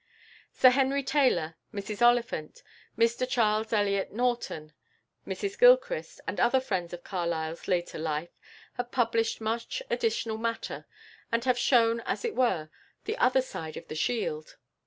Sir Henry Taylor, Mrs Oliphant, Mr Charles Eliot Norton, Mrs Gilchrist, and other friends of Carlyle's later life have published much additional matter, and have shown, as it were, the other side of the shield.